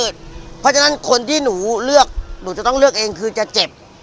เพราะฉะนั้นคนที่หนูเลือกหนูจะต้องเลือกเองคือจะเจ็บ